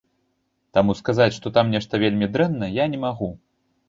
Таму сказаць, што там нешта вельмі дрэнна, я не магу.